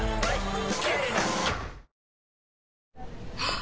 あ！